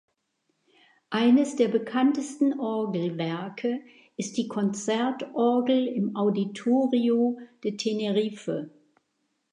Eines der bekanntesten Orgelwerke ist die Konzertorgel im Auditorio de Tenerife.